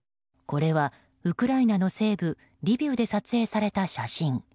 これはウクライナの西部リビウで撮影された写真。